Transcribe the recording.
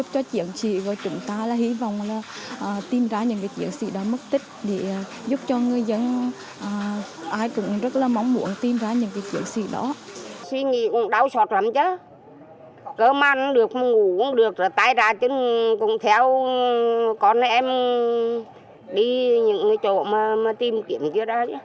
cơm ăn được ngủ cũng được tay ra chứ không theo còn em đi những chỗ mà tìm kiếm kia ra chứ